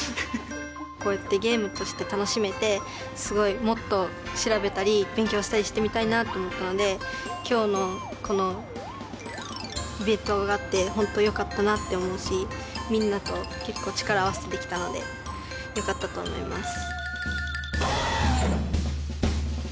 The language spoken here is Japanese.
こうやってゲームとして楽しめてすごいもっと調べたり勉強したりしてみたいなと思ったので今日のこのイベントがあって本当よかったなって思うしみんなと結構力を合わせてできたのでよかったと思います。